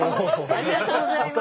ありがとうございます。